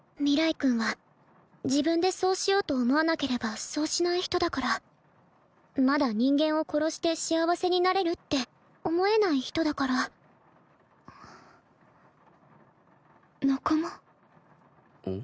君は自分でそうしようと思わなければそうしない人だからまだ人間を殺して幸せになれるって思えない人だから仲間うん？